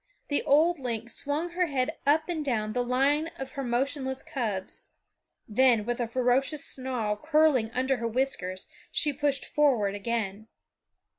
The old lynx swung her head up and down the line of her motionless cubs; then with a ferocious snarl curling under her whiskers she pushed forward again.